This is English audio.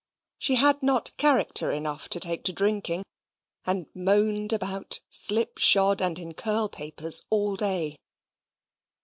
She had not character enough to take to drinking, and moaned about, slipshod and in curl papers all day.